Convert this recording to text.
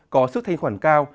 có sức thanh khoản cao